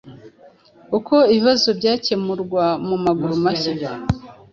Uko ibibazo byakemurwa mu maguru mashya.